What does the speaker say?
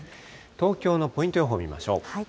東京のポイント予報見ましょう。